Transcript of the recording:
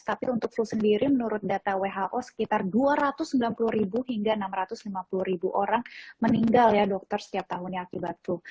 tapi untuk flu sendiri menurut data who sekitar dua ratus sembilan puluh hingga enam ratus lima puluh orang meninggal ya dokter setiap tahunnya akibat flu